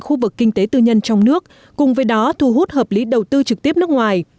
khu vực kinh tế tư nhân trong nước cùng với đó thu hút hợp lý đầu tư trực tiếp nước ngoài